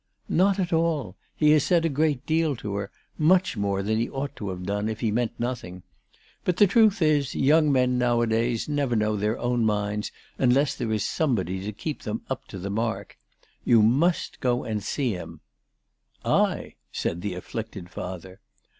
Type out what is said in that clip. "Not at all. He has said a great deal to her; much more than he ought to have done, if he meant nothing. But the truth is, young men nowadays never know their own minds unless there is somebody to keep them up to the mark. You must go and see him/' " I !" said the afflicted father.